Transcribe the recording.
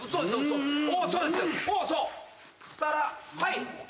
はい。